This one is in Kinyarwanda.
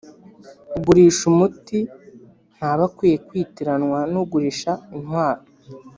ugurisha umuti ntaba akwiye kwitiranwa n’ugurisha intwaro